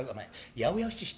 八百屋お七。